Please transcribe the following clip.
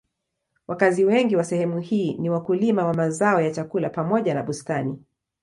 Wakazi wengi wa sehemu hii ni wakulima wa mazao ya chakula pamoja na bustani.